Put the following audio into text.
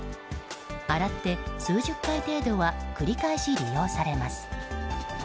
洗って、数十回程度は繰り返し利用されます。